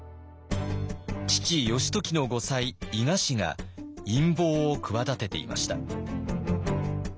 父義時の後妻伊賀氏が陰謀を企てていました。